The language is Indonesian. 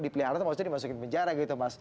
dipelihara maksudnya dimasukin penjara gitu mas